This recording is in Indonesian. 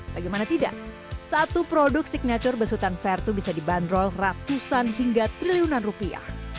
bagaimana tidak satu produk signatur besutan vertu bisa dibanderol ratusan hingga triliunan rupiah